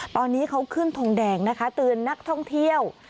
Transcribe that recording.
ตอนนี้เขาขึ้นทงแดงนะคะเตือนนักท่องเที่ยว